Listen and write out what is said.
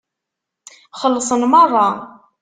Xellṣen meṛṛa.